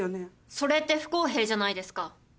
それって不公平じゃないですか。